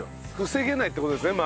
防げないって事ですね